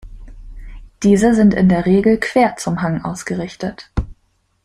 Diese sind in der Regel quer zum Hang ausgerichtet.